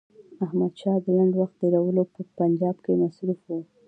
احمدشاه د لنډ وخت تېرولو په پنجاب کې مصروف وو.